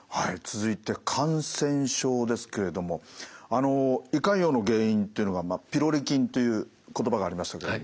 続いて感染症ですけれどもあの胃潰瘍の原因というのがピロリ菌という言葉がありましたけれども。